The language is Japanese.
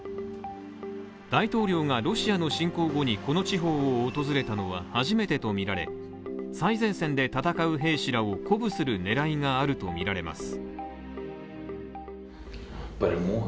大統領がロシアの侵攻後にこの地方を訪れたのは初めてとみられ、最前線で戦う兵士らを鼓舞する狙いがあるとみられます。